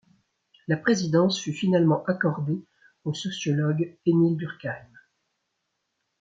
La présidence fut finalement accordée au sociologue Émile Durkheim.